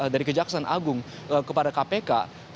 dari kejaksaan agung kepada kpk